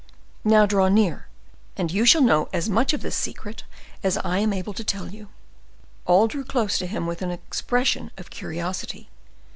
Now draw near, and you shall know as much of this secret as I am able to tell you." All drew close to him with an expression of curiosity.